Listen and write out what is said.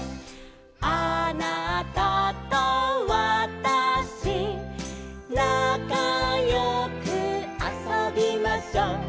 「あなたとわたし」「なかよくあそびましょう」